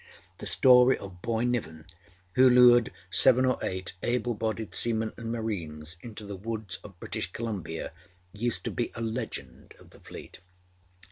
The story of Boy Niven who lured seven or eight able bodied seamen and marines into the woods of British Columbia used to be a legend of the Fleet.